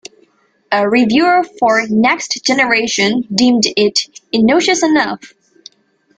A reviewer for "Next Generation" deemed it "innocuous enough.